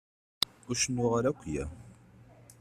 Ur cennuɣ ara akya.